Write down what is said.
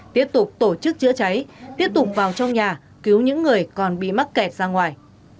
tiếp tục tổ chức chữa cháy tiếp tục vào trong nhà cứu những người còn bị mắc kẹt ra ngoài